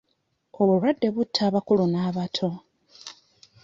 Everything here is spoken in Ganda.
Obulwadde butta abakulu n'abato.